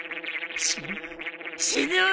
死ぬ死ぬ！